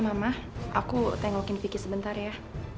mama aku tengokin vicky sebentar ya